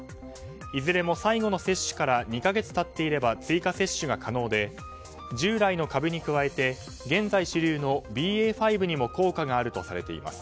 いずれも最後の接種から２か月経っていれば追加接種が可能で従来の株に加えて現在主流のＢＡ．５にも効果があるとされています。